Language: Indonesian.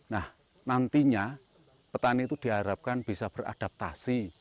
nah nantinya petani itu diharapkan bisa beradaptasi